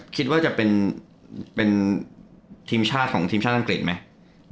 คิดว่าจะเป็นทีมชาติของทีมชาติอังกฤษไหม